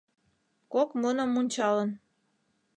Кок муным мунчалын.